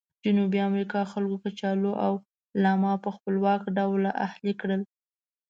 جنوبي امریکا خلکو کچالو او لاما په خپلواکه ډول اهلي کړل.